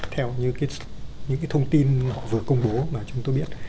theo như những cái thông tin họ vừa công bố mà chúng tôi biết